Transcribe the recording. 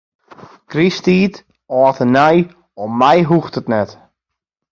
Krysttiid, âld en nij, om my hoecht it net.